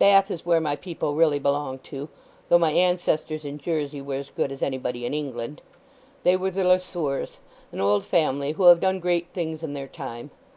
Bath is where my people really belong to, though my ancestors in Jersey were as good as anybody in England. They were the Le Sueurs, an old family who have done great things in their time.